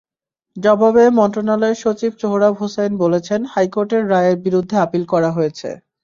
জবাবে মন্ত্রণালয়ের সচিব সোহরাব হোসাইন বলেছেন, হাইকোর্টের রায়ের বিরুদ্ধে আপিল করা হয়েছে।